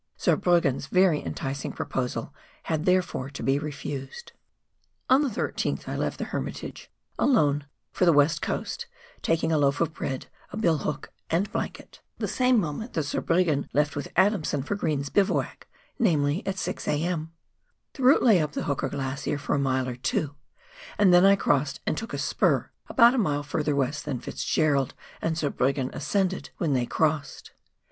Zurbriggen's very enticing proposal had therefore to be refused. 280 PIONEER WORK IN THE ALPS OF NEW ZEALAND. On the 13tli I left the Hermitage — alone — for the West Coast, taking a loaf of bread, a bill hook, and blanket, the same moment that Zurbriggen left with Adamson for Green's bivouac — namely, at 6 a.m. The route lay up the Hooker Glacier for a mile or two, and then I crossed, and took a spur about a mile further west than Fitzgerald and Zurbriggen ascended when they crossed.